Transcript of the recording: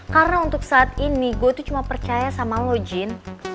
karena untuk saat ini gue tuh cuma percaya sama lo jin